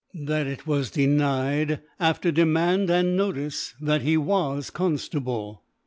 That it was denied after Demand and Notice that he was Conftable f.